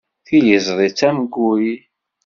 Tiliẓri d tamguri.